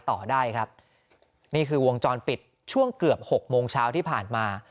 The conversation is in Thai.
ต่อได้ครับนี่คือวงจรปิดช่วงเกือบหกโมงเช้าที่ผ่านมา